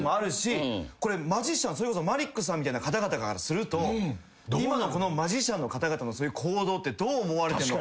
それこそマリックさんみたいな方々からすると今のマジシャンの方々のそういう行動って。